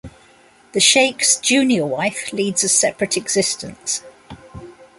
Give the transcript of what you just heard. The Sheikh's junior wife leads a separate existence.